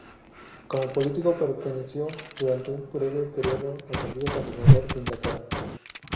Como político, perteneció durante un breve periodo al Partido Conservador de Inglaterra.